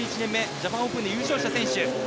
ジャパンオープンで優勝した選手。